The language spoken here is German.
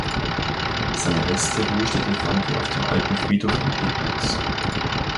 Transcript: Seine letzte Ruhestätte fand er auf dem Alten Friedhof in Pegnitz.